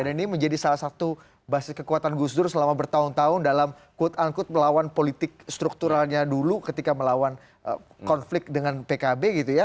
dan ini menjadi salah satu basis kekuatan gus dur selama bertahun tahun dalam quote unquote melawan politik strukturalnya dulu ketika melawan konflik dengan pkb gitu ya